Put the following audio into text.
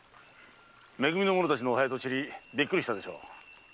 め組の者たちの早トチリびっくりしたでしょう？